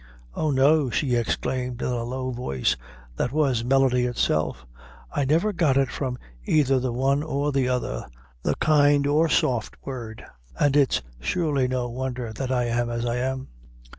"Oh, no!" she exclaimed, in a low voice, that was melody itself; "I never got it from either the one or the other the kind or soft word an' it's surely no wondher that I am as I am."